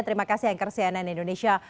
terima kasih yang kersianan indonesia